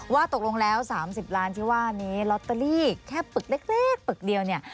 ว่าตกลงแล้ว๓๐ล้านที่ว่านี้ลอตเตอรี่แค่ปึกเล็กปึกเดียวเนี่ย